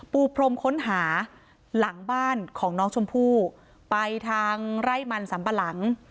ปูพรมค้นหาหลังบ้านของน้องชมพู่ไปทางไร่มันสัมปะหลัง